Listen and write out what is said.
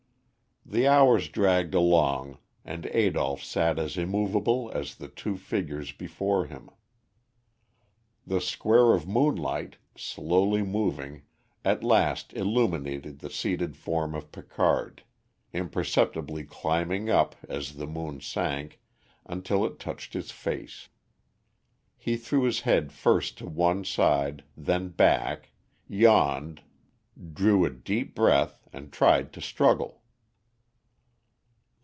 The hours dragged along, and Adolph sat as immovable as the two figures before him. The square of moonlight, slowly moving, at last illuminated the seated form of Picard, imperceptibly climbing up, as the moon sank, until it touched his face. He threw his head first to one side, then back, yawned, drew a deep breath, and tried to struggle.